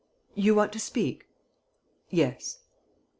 "You want to speak?" "Yes."